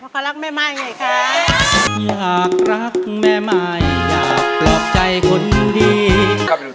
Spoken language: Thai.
เพราะรักแม่ม่ายยายไงคะ